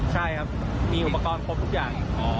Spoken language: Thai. ใช่ครับมีอุปกรณ์ครบทุกอย่าง